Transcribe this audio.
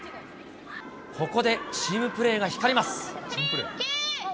ここでチームプレーが光ります。